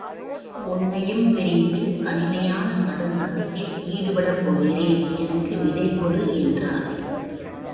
உன்னையும் பிரிந்து தனிமையான கடுந்தவத்தில் ஈடுபடப் போகிறேன் எனக்கு விடைகொடு என்றார்.